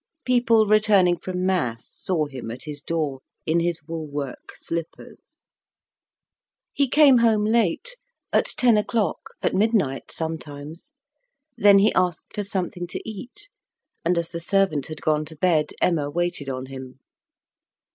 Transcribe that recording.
People returning from mass saw him at his door in his wool work slippers. He came home late at ten o'clock, at midnight sometimes. Then he asked for something to eat, and as the servant had gone to bed, Emma waited on him.